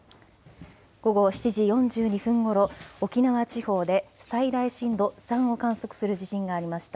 午後７時４２分ごろ、沖縄地方で最大震度３を観測する地震がありました。